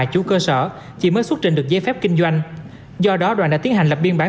chủ cơ sở chỉ mới xuất trình được giấy phép kinh doanh do đó đoàn đã tiến hành lập biên bản